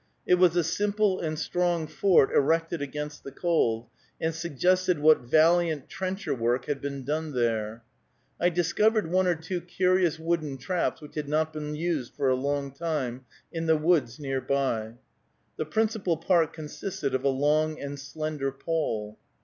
It was a simple and strong fort erected against the cold, and suggested what valiant trencher work had been done there. I discovered one or two curious wooden traps, which had not been used for a long time, in the woods near by. The principal part consisted of a long and slender pole.